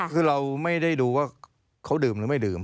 คือเราไม่ได้ดูว่าเขาดื่มหรือไม่ดื่ม